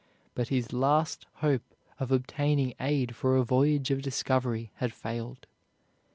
But his last hope of obtaining aid for a voyage of discovery had failed.